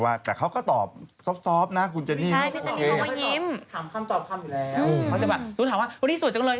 ถามคำตอบคำอยู่แล้วเขาจะแบบทุกคนถามว่าแล้วสวยจังเลย